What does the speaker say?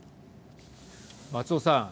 松尾さん